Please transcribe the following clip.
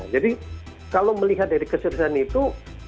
jadi kalau melihat dari keseriusan itu